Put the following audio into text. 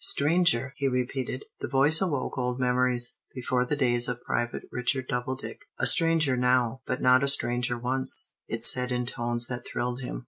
"Stranger!" he repeated. The voice awoke old memories, before the days of Private Richard Doubledick. "A stranger now, but not a stranger once," it said in tones that thrilled him.